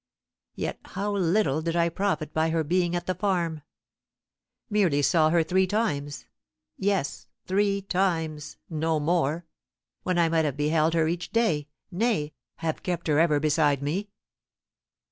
Yet how little did I profit by her being at the farm! Merely saw her three times yes, three times no more! when I might have beheld her each day nay, have kept her ever beside me.